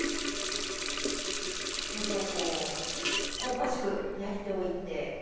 ちゃんとこう香ばしく焼いておいて。